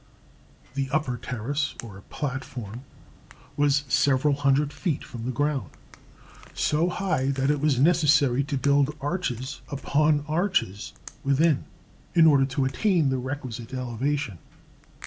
The upper terrace, or platform, was several hundred feet from the ground; so high, that it was necessary to build arches upon arches within, in order to attain the requisite elevation.